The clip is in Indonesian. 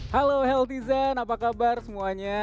halo healthy zen apa kabar semuanya